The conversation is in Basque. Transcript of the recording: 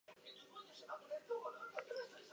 Talde bi hauek ere desegin berriak ziren.